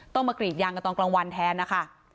มากรีดยางกันตอนกลางวันแทนนะคะ